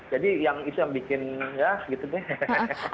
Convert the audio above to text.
jadi yang itu yang bikin ya gitu deh